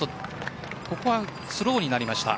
ここは少しスローになりました。